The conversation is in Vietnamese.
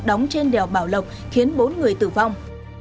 đóng trên đèo bảo lộc khiến bốn người tử vong